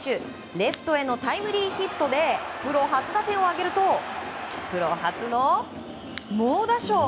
レフトへのタイムリーヒットでプロ初打点を挙げるとプロ初の猛打賞。